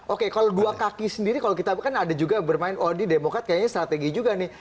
oke kalau dua kaki sendiri kalau kita kan ada juga bermain oh di demokrat kayaknya strategi juga nih